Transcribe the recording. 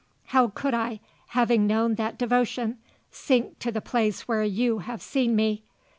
How could I, having known that devotion, sink to the place where you have seen me?